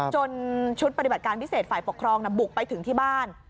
ชุดปฏิบัติการพิเศษฝ่ายปกครองบุกไปถึงที่บ้าน